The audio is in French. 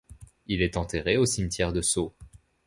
Il est enterré au cimetière de Sceaux.